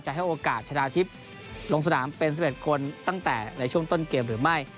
ให้โอกาสชนะทิพย์ลงสนามเป็น๑๑คนตั้งแต่ในช่วงต้นเกมหรือไม่